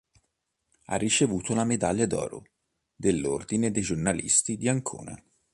Ha ricevuto la medaglia d'oro dell'ordine dei giornalisti di Ancona.